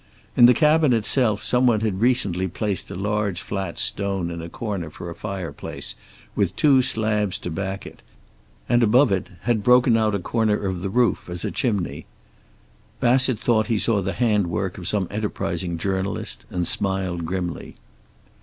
In the cabin itself some one had recently placed a large flat stone in a corner for a fireplace, with two slabs to back it, and above it had broken out a corner of the roof as a chimney. Bassett thought he saw the handwork of some enterprising journalist, and smiled grimly.